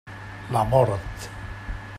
La mort.